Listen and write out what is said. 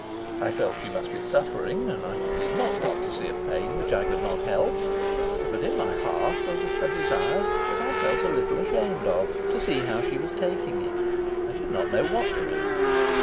I felt she must be suffering, and I did not want to see a pain which I could not help; but in my heart was a desire, that I felt a little ashamed of, to see how she was taking it. I did not know what to do.